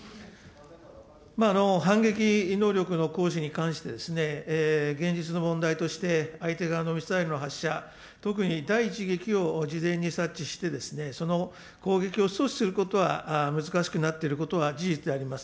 反撃能力の行使に関して、現実の問題として相手側のミサイルの発射、特に第一撃を事前に察知して、その攻撃を阻止することは難しくなっていることは事実であります。